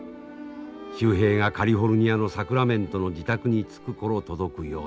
秀平がカリフォルニアのサクラメントの自宅に着く頃届くように。